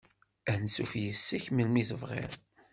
Ansuf yess-k melmi tebɣiḍ.